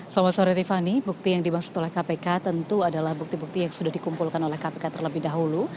selamat sore tiffany bukti yang dimaksud oleh kpk tentu adalah bukti bukti yang sudah dikumpulkan oleh kpk terlebih dahulu